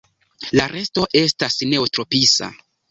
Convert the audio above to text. La resto estas neotropisa.